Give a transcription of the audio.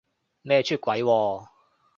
咩出軌喎？